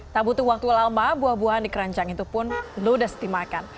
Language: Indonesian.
tak butuh waktu lama buah buahan di keranjang itu pun ludes dimakan